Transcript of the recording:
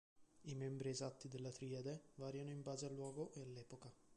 I membri esatti della triade variano in base al luogo e all'epoca.